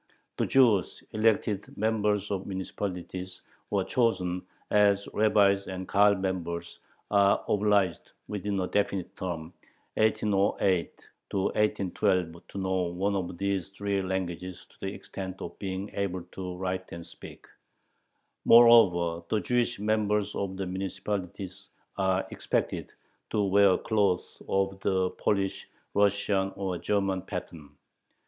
The Jews elected members of municipalities or chosen as rabbis and Kahal members are obliged, within a definite term (1808 1812), to know one of these three languages to the extent of being able to write and speak it. Moreover, the Jewish members of the municipalities are expected to wear clothes of the Polish, Russian, or German pattern.